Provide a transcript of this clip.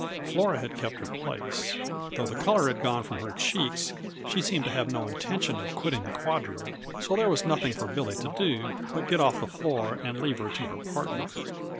Flora had kept her place. Though the color had gone from her cheeks, she seemed to have no intention of quitting the quadrille, so there was nothing for Billy to do but get off the floor and leave her to her partner.